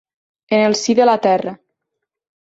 En el si de la terra.